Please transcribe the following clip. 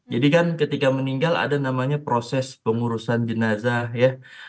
jadi kan ketika meninggal ada namanya proses pengurusan jenazah ya